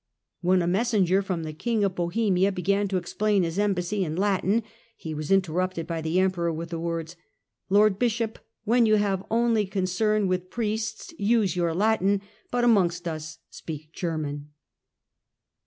When a messenger from the King of Bohemia began to explain his embassy in Latin, he was interrupted by the Emperor with the words :" Lord Bishop, when you have only concern with Priests use your Latin, but amongst us speak German".